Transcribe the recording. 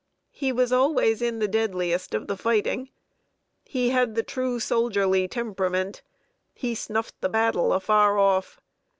He was always in the deadliest of the fighting. He had the true soldierly temperament. He snuffed the battle afar off.